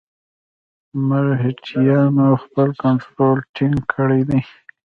مرهټیانو خپل کنټرول ټینګ کړی دی.